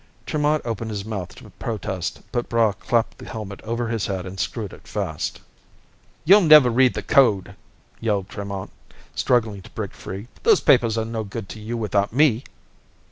Tremont opened his mouth to protest, but Braigh clapped the helmet over his head and screwed it fast. "You'll never read the code!" yelled Tremont, struggling to break free. "Those papers are no good to you without me!"